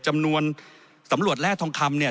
จำนวนสำรวจแร่ทองคำเนี่ย